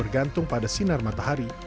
bergantung pada sinar matahari